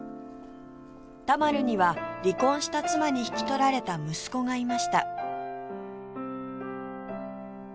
田丸には離婚した妻に引き取られた息子がいました